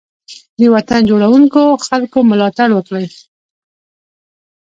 د وطن جوړونکو خلګو ملاتړ وکړئ.